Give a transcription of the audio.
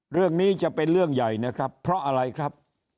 เรื่องนี้จะเป็นเรื่องใหญ่นะครับเพราะอะไรครับ